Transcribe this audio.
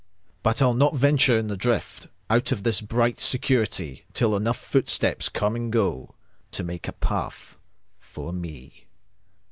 But I'll not venture in the driftOut of this bright security, Till enough footsteps come and goTo make a path for me.